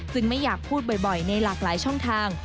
ไม่อยากพูดบ่อยในหลากหลายช่องทาง